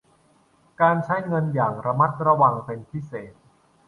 การใช้เงินอย่างระมัดระวังเป็นพิเศษ